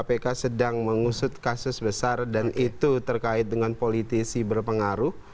kpk sedang mengusut kasus besar dan itu terkait dengan politisi berpengaruh